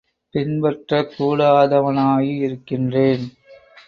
பின்பற்றக் கூடாதவனா யிருக்கின்றேன்